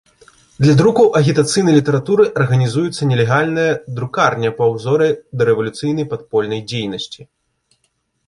Для друку агітацыйнай літаратуры арганізуецца нелегальная друкарня па ўзоры дарэвалюцыйнай падпольнай дзейнасці.